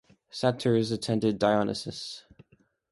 Satyrs attended Dionysus.